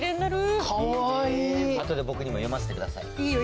あとで僕にも読ませてください。